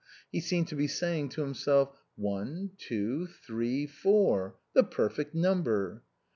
He seemed to be saying to himself, " One, two, three, four ; the perfect number."